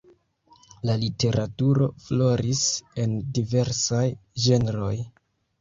La literaturo floris en diversaj ĝenroj.